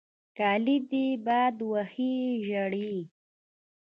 کالې دې باد وهي ژړې.